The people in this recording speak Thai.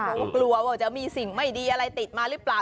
ก็กลัวว่าจะมีสิ่งไม่ดีอะไรติดมาหรือเปล่า